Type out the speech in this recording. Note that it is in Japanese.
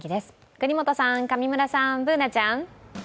國本さん、上村さん、Ｂｏｏｎａちゃん。